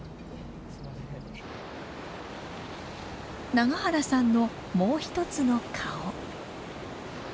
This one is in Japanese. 永原さんのもう一つの顔。